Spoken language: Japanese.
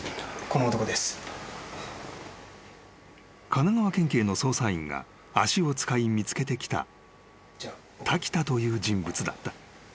［神奈川県警の捜査員が足を使い見つけてきた滝田という人物だった］